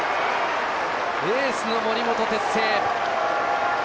エースの森本哲星。